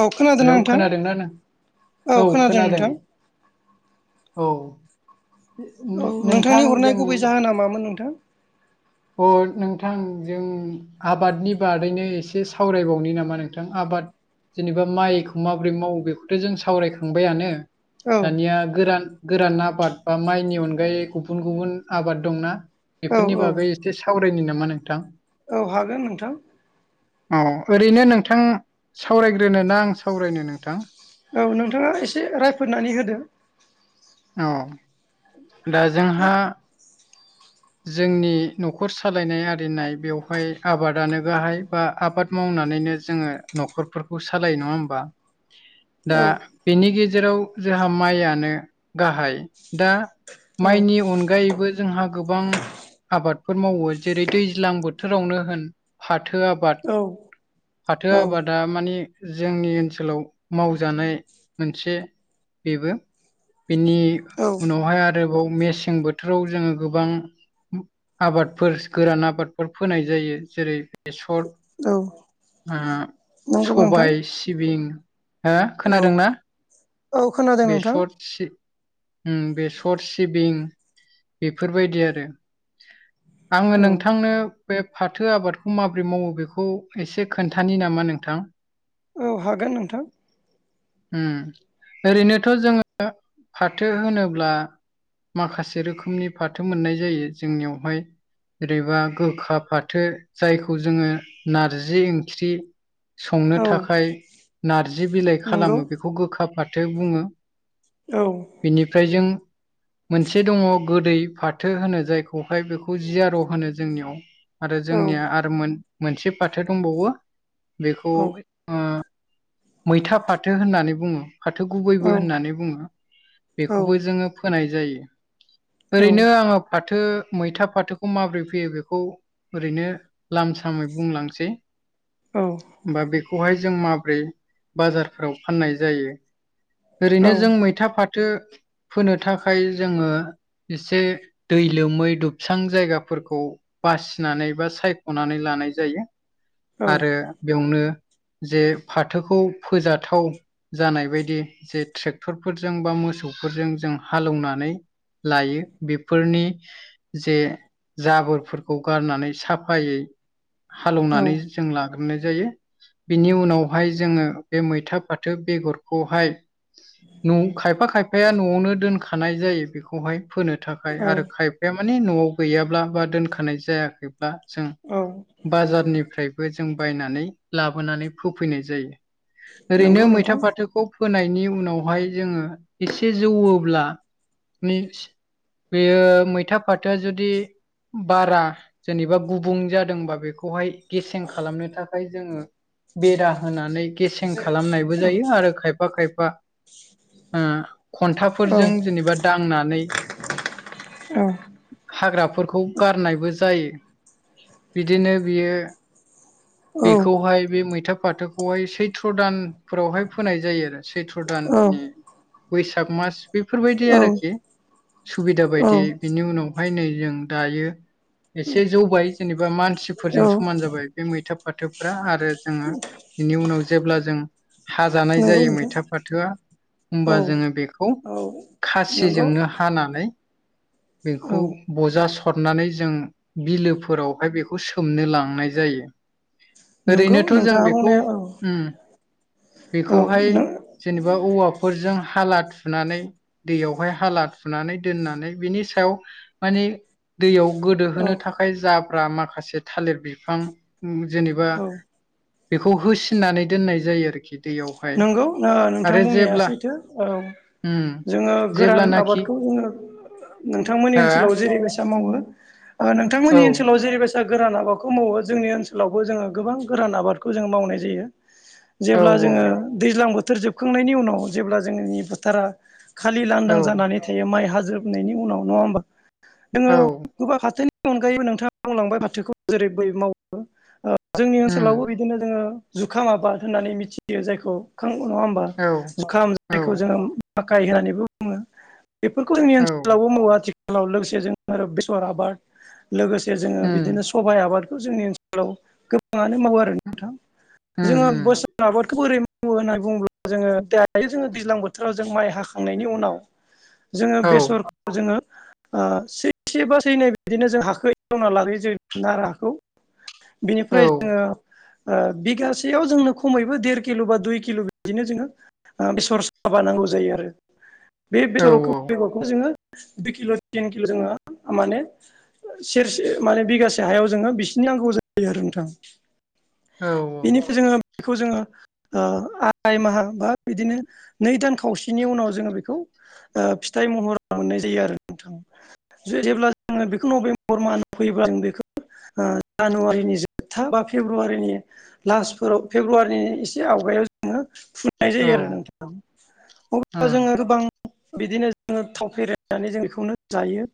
औ खोनादोंना हेलौ नोंथां खोनादों नों? औ खोनादों। औ। उम औ नोंथां नोंथांनि हरनाय जोंनि गुबै जाहोना मामोन नोंथां अ' नोंथां जोंनि आबादनि बादैनो एसे सावरायबावनि नामा नोंथां आबाद जेनेबा माइखौ माबोरै मावयो बेखौथ' जों सावरायखांबायानो औ दानिया गोरान गोरान आबाद बा माइनि अनगायै गुबुन गुबुन आबाद दंना औ बेफोरनि औ बागै एसे सावरायनि नामा नोंथां। औ हागोन नोंथां। औ, ओरैनो नोंथां सावरायग्रोनोना आं सावरायनो नोंथां? औ, नोंथाङा एसे रायफोदनानै होदो। औ, दा जोंहा जोंनि न'खर सालायनाय आरिनाय बेवहाय आबादानो गाहाय बा आबाद मावनानैनो जोङो न'खरफोरखौ सालायो नङा होमबा? दा औ बेनि गेजेराव जोंहा माइयानो गाहाय, दा औ माइनि अनगायैबो जोंहा गोबां आबादफोर मावयो जेरै दैज्लां बोथोरावनो होन फाथो आ बाद, औ फाथो आबाद आ मानि जोंनि ओनसोलाव मावजानाय मोनसे बेबो। बेनि औ उनावहाय आरोबाव मेसें बोथोराव जोङो गोबां आबादफोर गोरान आबादफोर फोनाय जायो जेरै बेसर औ उम नंगौ नोंथां सबाइ, सिबिं हो औ खोनादोंना औ खोनादों नोंथां बेसर सि उम बेसर, सिबिं बेफोरबायदि आरो। आङो औ नोंथांनो बे फाथो आबादखौ माबोरै मावो बेखौ एसे खोन्थानि नामा नोंथां? औ, हागोन नोंथां। ओरैनोथ' जोङो फाथो होनोब्ला माखासे रोखोमनि फाथो मोननाय जायो जोंनियावहाय जेरैबा गोखा फाथो, जायखौ जोङो नार्जि ओंख्रि संनो औ थाखाय नार्जि बिलाइ नंगौ खालामो बेखौ गोखा फाथो बुङो। औ। बेनिफ्राय जों मोनसे दङ' गोदै फाथो होनो जायखौहाय बेखौ जियार' होनो जोंनियाव आरो औ जोंनिया आरो मोन मोनसे फाथो दंबावो बेखौ औ ओ मैथा फाथो होन्नानै बुङो, फाथो औ गुबैबो होन्नानै बुङो। औ बेखौबो जोङो फोनाय जायो। औ ओरैनो आङो फाथो मैथा फाथोखौ माबोरै फैयो बेखौ ओरैनो लामसामै बुंलांसै। होमबा बेखौहाय जों माब्रै बाजारफ्राव फान्नाय जायो औ ओरैनो जों मैथा फाथो फोनो थाखाय जोङो एसे ‌ दै लोमै दुबसां जायगाफोरखौ बासिनानै बा सायख'नानै लानाय जायो औ आरो बेवनो जे फाथोखौ फोजाथाव जानाय बायदि जे ट्रेक्टरफोरजों बा मोसौफोरजों जों हालेवनानै लायो बेफोरनि जे जाबोरफोरखौ गारनानै साफायै हालेवनानै जों लागोरनाय जायो। बिनि उनावहाय जोङो बे मैथा फाथो बेगरखौहाय न'खायफा खायफाया न'आवनो दोनखानाय जायो बेखौहाय फोनो थाखाय आरो खाय फाया माने न'आव गैयाब्ला बा दोनखानाय जायाखैब्ला जों औ बाजारनिफ्रायबो जों बायनानै लाबोनानै फोफैनाय जायो। नंगौ ओरैनो नोंथां मैथा फाथोखौ फोनायनि उनावहाय जोङो एसे जौवोब्ला निज बेयो मैथा फाथोआ जुदि बारा जेनेबा गुबुं जादोंबा बेखौहाय गेसें खालामनो थाखाय जोङो बेरा होनानै गेसें खालामनायबो जायो आरो खाय फा खायफा औ खन्थाफोरजों जेनेबा दांनानै हाग्राफोरखौ गारनायबो जायो बिदिनो बियो औ बेखौहाय बे मैथा फाथोखौहाय सैथ्र' दान फोरावहाय फोनाय जायो आरो सैथ्र' औ दाननि बैसाग मास बेफोरबायदि औ आरोखि सुबिदा औ बायदि बिनि उनावहाय नै जों दायो एसे जौबाय जेनेबा औ मानसिफोरजों समान जाबाय बे मैथा फाथोफ्रा आरो जोङो बिनि उनाव जेब्ला जों हाजानाय नंगौ जायो मैथा नोंथां फाथोआ होमबा औ जोङो बेखौ औ नंगौ सिजोंनो हानानै बेखौ औ बजा सरनानै जों बिलोफोरावहाय बेखौ सोमनो लांनाय जायो। नंगौ ओरैनोथ' जों नोंथाङा बेखौ बुंनाया औ उम औ बेखौहाय नों जेनेबा औवाफोरजों हाला थुनानै दैयावहाय हाला थुनानै दोननानै बिनि सायाव मानि दैयाव औ गोदोहोनो थाखाय आय जाफ्रा माखासे थालिर बिफां जेनेबा औ बेखौ होसिननानै दोननाय जायो आरोखि दैयावहाय नंगौ ओ नोंथां आरो बुंनाया जेब्ला सैथो औ उम जों जोङो गोरान जेब्लानाखि आबादखौ जोङो नोंथांमोननि हा ओनसोलाव जेरै बेसा मावो औ नोंथांनिओनसोलाव जेरै बैसा जा गोरान आबादखौ मावो जोंनि ओनसोलावबो जोङो गोबां गोरान आबादखौ जों मावनाय जायो। औ जेब्ला जोङो दैज्लां बोथोर जोबखांनायनि उनाव जेब्ला जोंनि बोथोरा खालि लांदां औ जानानै थायो माइ हाजोबनायनि उनाव नङा होमबा जोङो औ गुबबां हाथोनि अनगायैबो नोंथाङा बुंलांबाय फाथोखौ जेरै ब मावो जोंनि उम ओनसोलावबो बि बिदिनो जोङो जुखाम आबाद होननानै मिथियो जायखौ जुखां नङा होमबा औ जुखाम औ जायखौ जोङो माखाय होननानैबो बुङो। बेफोरखौ जोंनि औ ओनसोलावबो मावो आथिखालाव लोगोसे जों आरो बेसर आबाद लोगोसे जोङो उम बिदिनो सबाइ आबादखौ जोंनि ओनसोलाव गोबाङानो मावो आरो नोंथां उम जोङो बोसोर जों आबादखौ ओरै मावो होननानै बुङोब्ला जोङो दाय जोङो दैज्लां बोथोराव जों माइ हाखांनायनि उनाव [inaudible] जोङो बेसर जोङो ओ सैसे बा सैनै बिदिनो जों हाखौ एवना लाग्रोयो जों नारा हाखौ औ बिनिफ्राय जोङो ओ बिगासेयाव जोंनो खु खमैबो देर किल' बा दुइ किल' बिदिनो जोङो बेसर साबा नांगौ जायो आरो बे औ बेसर बेगरखौ जोङो दुइ किल' तिन किल' जोङो माने सेरसे माने बिगासे हायाव जोङो बिसिनि नांगौ जायो आरो नोंथां। औ बेनिफ्राय जोङो बेखौ जोङो आराय माहा बा बिदिनो नै दान खावसेनि उनाव जोङो बेखौ ओ फिथाइ महर मोननाय जायो आरो नोंथां। जे जेब्ला जोङो बेखौ नभेम्बर माहाव फैयोब्ला जों बेखौ जानुवारिनि जोबथा बा फेब्रुवारिनि लास्टफोराव फेब्रुवारिनि एसे आवगायाव जोङो फुननाय औ जायो आरो नोंथां। अेबब्ला उम जोङो गोबां बिदिनो जोङो थाव फेररायनानै जों बेखौनो जायो।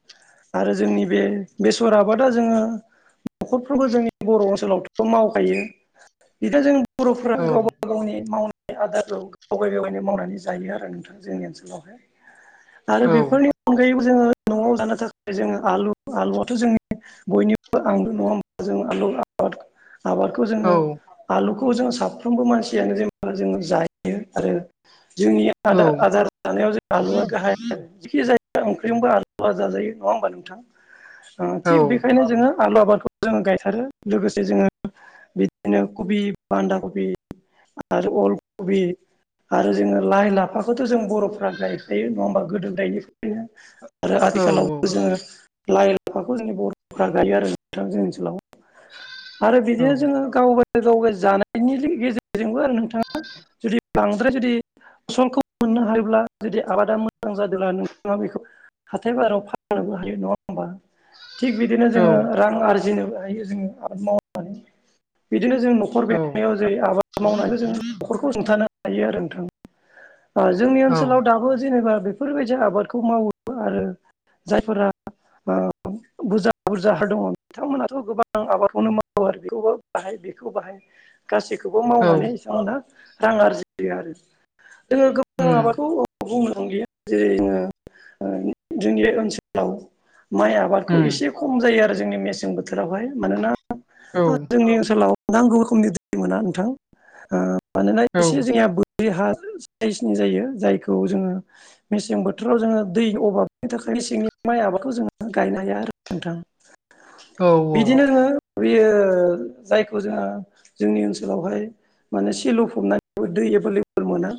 आरो जोंनि बे बेसर आबादा जोङो न'खरफोरखौ जोंनि बर' ओनसोलावथ' मावखायो बिदिा जों औ बर'फोरा गावबा गाव गावनि मावनाय आदारखौ गावबाय गावबायनो मावनानै जायो आरो नोंथां जोंनि ओनसोलावहाय। आरो बेफोरनि अनगायैबो जोङो न'आव जानो थाखाय जोङो आलु आलुआथ' जोंनि बयनिबो आंबो' नङा हा जों आलु आबाद आबादखौ जोङो आलुखौ खौ जों साफ्रोमबो मानसियानो जेन जोङ जायो आरो जोंनि आद आदार जानायाव जों आलुवआ गाहाय आरो जिखि जायो ओंख्रिजोंबो आलुआ जाजायो नङा होमबा नोंथां। [inaudible] थिग बेखायनो जोङो आलु आबादखौ जोङो गायथारो लोगोसे जोङो बिदिनो कबि बान्दा कपि आरो अलकबि आरो जोङो लाइ लाफाखौथ' जों बर'फ्रा गायखायो नङा होमबा गोदो गोदायनिफ्रायनो आरो औ आथिखालावबो जोङो लाइ लाफाखौ जोंनि बर'फ गायो आरो नोंथां जोंनि ओनसोलाव। आरो बिदिनो जोङो गावब गाव जानायनि गेजेरजों बो आरो नोंथाङा जुदि बांद्राय जुदि फसलखौ मोननो हायोब्ला जुदि आबादा मोजां जादोंब्ला नोंथाङा बेखौ हाथाय बाराव फाननोबो हायो नङा होमबा। थिग बिदिनो जोङो औ रां आरजिनोबो हायो जोङो आबाद मावनानै बिदिनो जों न'खर बेंाव ज आबाद मावनानै जोंो न'खरखौ हुंथानो हायो आरो नोंथां। जोंनि औ ओनसोलाव दाबो जेनेबा बेफोरबायदि आबादखौ मावो आरो जायफोरा बुरजा बुरजा ह दङ बिथांमोनाथ' गोबां आबादखौनो मावो आरो बेखौबो बाहाय बेखौ बाहाय गासैखौबो औ मावनानै बिथांमोनहा रां आरजियो आरो जोङो गोबां उम माबाखौ बुंनोां गैया जेरै जोङो जोंनि ओनसोलाव माइआ आबादखौ उम एसे खम जायो आरो जोंनि मेसें बोथोरावहाय मानोना औ जोंनि ओनसोलाव नांगौ रोखोमनि दै मोना नोंथां मानोना औ एसे जोंनिया रि हा साइसनि जायो जायखौ जोङो मेसें बोथोराव जोङो दै अभाबनि थाखाय मेसेंनि माइ आबादखौ जोङो गायनो हाया आरो नोंथां। औ बिदिनो रोङो बेयो जायखौ जोङो जोंनि ओनसोलावहाय माने सेलु फबनानै दै एभेलेबोल मोना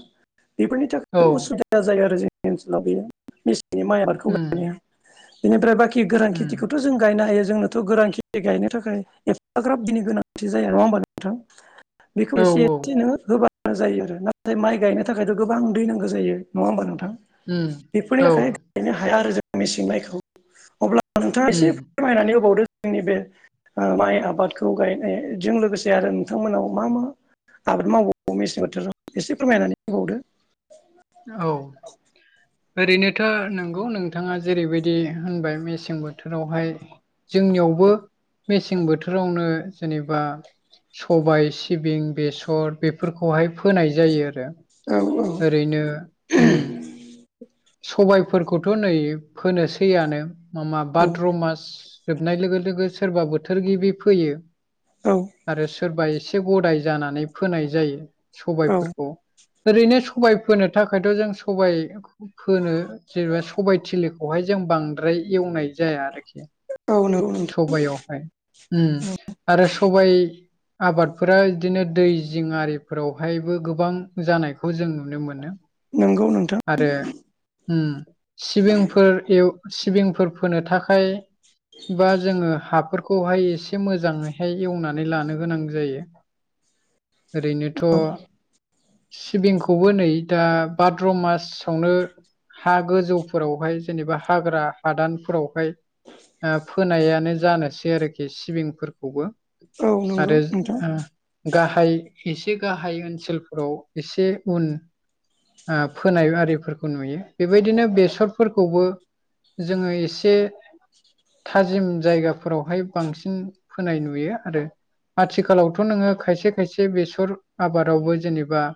बेफोरनि नि औ थाखाय उसुबिदा जायो आरो जोंनि ओनसोलाव बेयो मेसेंनि माइ आबादखौ उम गायनो। बेनिफ्राय बाखि गोरान उम खेथिखौथ' जों गायनो हायो जोंनोथ' गोरांथि गायनो थाखाय एफाग्राब बिनि गोनांथि जाया नङा होमबा नोंथां। थां बेखौ औ एसे एसे नोङो होबाय मां जायो आरो नाथाय माइ गायनो थाखायथ' गोबां दै नांगौ जायो नङा होमबा नोंथां। उम बेफोरनि औ थाखाय गायनो हाया आरो जों मेसें माइखौ अब्ला नोंथाङा एसे उम फोरमायनानै होबावदो जोंनि बे माइ आबादखौ गायनायजों लोगोसे जे आरो नोंथांमोनाव मा मा आबाद मावबावो मेसें बोथोराव एसे फोरमायनानै होबावदो औ ओरैनोथ' नंगौ नोंथाङा जेरैबायदि होनबाय मेसें बोथोरावहाय जोंनियावबो मेसें बोथोरावनो जेनेबा सबाय सिबिं बेसर बेफोरखौहाय फोनाय जायो आरो। औ औ ओरैनो उम सबायफोरखौथ' नै फोनोसैआनो माब भाद्र' मास जोबनाय लोगो लोगो सोरबा बोथोर गिबि फैयो औ आरो सोरबा एसे ग'दाय जानानै फोनाय जायो औ स'बायफोरखौ ओरैनो सबाय फोनो थाखायथ' जों सबाय फोनो जेनोबा सबाय थिलिखौहाय जों बांद्राय एवनाय जाया आरोखि औ नोंगौ नोंथां सबयावहाय उम आरो सबायाइ आबादफोरा इदिनो दै जिं आरिफोरावहायबो गोबां जानायखौ जों नुनो मोनो नोंगौ नोंथां आरो उम सिबिंफोर एव‌ सिबिंफोर फोनो थाखाय बा जोङो हाफोरखौहाय एसे मोजांयैहाय एवनानै लानो गोनां जायो ओरैनोथ' सिबिंखौबो नै दा भाद्र' मासावनो हा गोजौफोरावहाय जेनोबा हाग्रा हादानफोरावहाय ओ फोनायानो जानोसै आरोखि सिबिंफोरखौबो औ नंगौ आरो नोंथां ओ गाहाय एसे गाहाय ओनसोलफोराव एसे उन ओ फोनाय आरिफोरखौ नुयो बेबायदिनो बेसरफोरखौबो जोङो एसे थाजिम जायगाफोरावहाय बांसिन फोनाय नुयो आरो आथिखालावथ' नोङो खायसे खायसे बेसर आबादावबो जेनोबा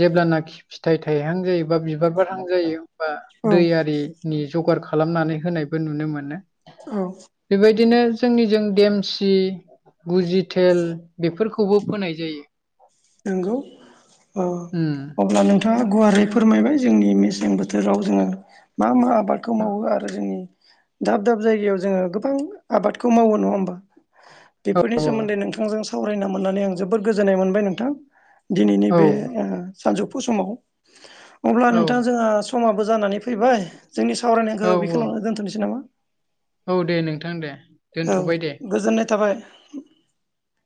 जेब्लानाखि फिथाइ थाइहां जायो बा बिबार बारहां जायो बा औ दैआरि नि ज'गार खालामनानै होनायबो नुनो मोनो औ बेबायदिनो जोंनिजों देमसि गुजिटेल बेफोरखौबो फोनाय जायो नोंगौ ओ उम अब्ला नोंथां आ गुवारै फोरमायबाय जोंनि मेसें बोथोराव जोङो मा मा आं आबादखौ मावो आरो जोंनि दाब दाब जायगायाव जोङो गोबां आबादखौ मावो नङा होमबा बेफोरनि औ सोमोन्दै नोंथांजों सावरायना मोननानै आं जोबोद गोजोननाय मोनबाय नोंथां दिनैनि औ बे ओ सानजौफु समाव अब्ला औ नोंथां जोंहा समाबो जानानै फै फैबाय जोंनि सावरायनायखौ औ औ बेखिनियावनो दोनथ'नोसै नामा औ दे नोंथां दे औ दोनथ'बाय दे गोजोननाय थाबाय